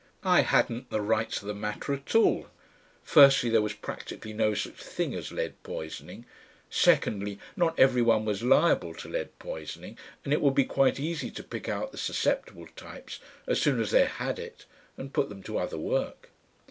I hadn't the rights of the matter at all. Firstly, there was practically no such thing as lead poisoning. Secondly, not everyone was liable to lead poisoning, and it would be quite easy to pick out the susceptible types as soon as they had it and put them to other work.